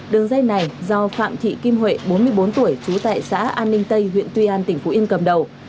đường dây này do phạm thị kim huệ bốn mươi bốn tuổi trú tại xã an ninh tây huyện tuy an tỉnh phú yên cầm đầu